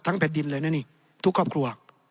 แผ่นดินเลยนะนี่ทุกครอบครัว